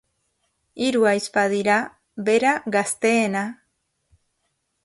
Hiru ahizpa dira, bera gazteena.